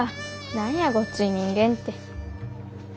何やごっつい人間って。